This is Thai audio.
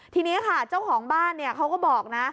ทีนี้ค่ะเจ้าของบ้านเขาก็บอกนะ